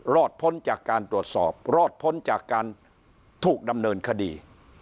พ้นจากการตรวจสอบรอดพ้นจากการถูกดำเนินคดี